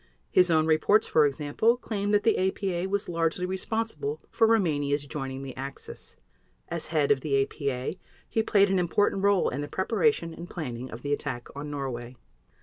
His own reports, for example, claim that the APA was largely responsible for Rumania's joining the Axis. As head of the APA, he played an important role in the preparation and planning of the attack on Norway.